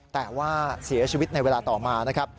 แต่ว่าเสียชีวิตในเวลาต่อมา